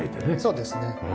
そうですね。